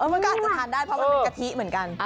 มันก็อาจจะทานได้เพราะมันเป็นกะทิเหมือนกัน